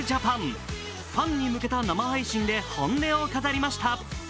ファンに向けた生配信で本音を語りました。